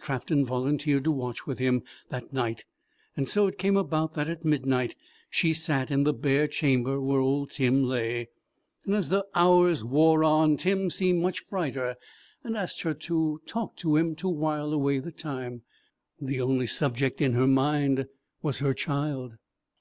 Trafton volunteered to watch with him that night, and so it came about that at midnight she sat in the bare chamber where old Tim lay. As the hours wore on Tim seemed much brighter, and asked her to talk to him to while away the time. The only subject in her mind was her child.